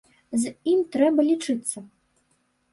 І з ім трэба лічыцца.